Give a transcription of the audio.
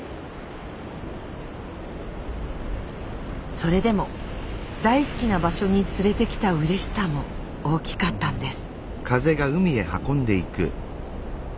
それでも大好きな場所に連れてきたうれしさも大きかったんです。